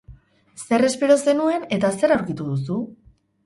Zer espero zenuen eta zer aurkitu duzu?